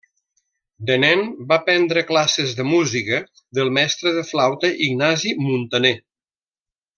De nen, va prendre classes de música del mestre de flauta Ignasi Muntaner.